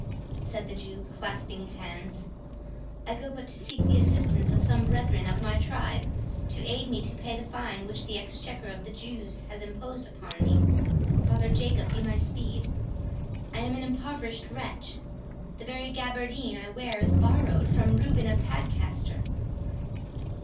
said the Jew, clasping his hands; "I go but to seek the assistance of some brethren of my tribe to aid me to pay the fine which the Exchequer of the Jews have imposed upon me—Father Jacob be my speed! I am an impoverished wretch—the very gaberdine I wear is borrowed from Reuben of Tadcaster."